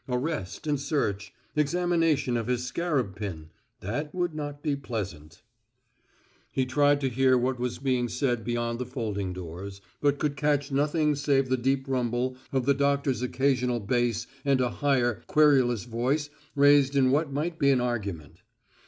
Arrest and search; examination of his scarab pin that would not be pleasant. He tried to hear what was being said beyond the folding doors, but could catch nothing save the deep rumble of the doctor's occasional bass and a higher, querulous voice raised in what might be argument.